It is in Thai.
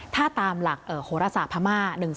ถ้าตามหลักโหรศาสตร์พม่า๑๓